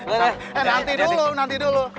nanti dulu nanti dulu